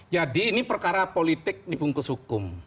jadi ini perkara politik dipungkus hukum